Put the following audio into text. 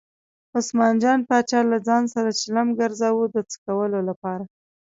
عثمان جان پاچا له ځان سره چلم ګرځاوه د څکلو لپاره.